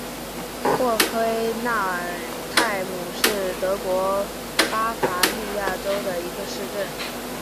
霍黑纳尔泰姆是德国巴伐利亚州的一个市镇。